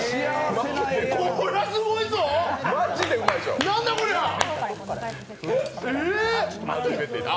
こりゃすごいぞお！